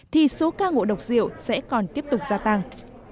thì số ca ngộ độc rượu sẽ còn tiếp tục gia tăng